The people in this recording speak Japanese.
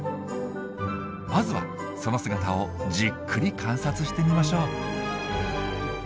まずはその姿をじっくり観察してみましょう。